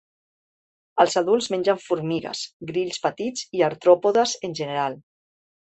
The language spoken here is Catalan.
Els adults mengen formigues, grills petits i artròpodes en general.